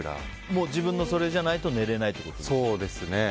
自分のじゃないと寝れないっていうことですか。